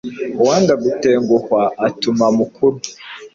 uwanga gutenguhwa atuma mukuru